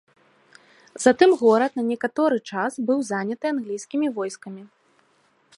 Затым горад на некаторы час быў заняты англійскімі войскамі.